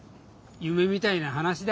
夢みたいな話だ。